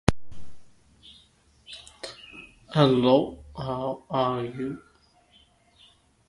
The sealskin ban has never been repealed or loosened in the United States.